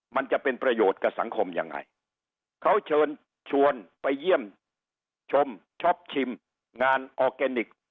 มันจะเป็นประโยชน์กับสังคมยังไงเขาเชิญชวนไปเยี่ยมชมชอบชิมงานออร์แกนิค